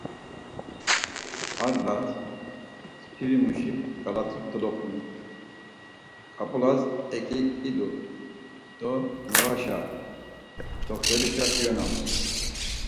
Ar ndğaz, skiri muşik ǩalatis doloxunu, ǩap̌ulas eǩiǩidu do noğaşe, doxtorişa iyonams.